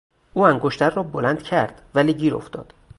او انگشتر را بلند کرد ولی گیر افتاد.